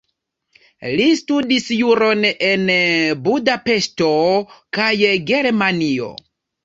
Li studis juron en Budapeŝto kaj Germanio.